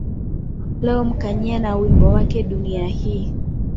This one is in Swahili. leo mkanyia na wimbo wake dunia hii